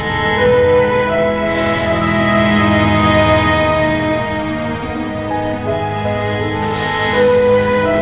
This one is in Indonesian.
aku banyak yang reta